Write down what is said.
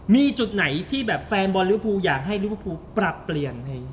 มีจุดไหนที่แฟนบ่อนริเวฟพูอยากให้ริเวฟพูประเปลี่ยน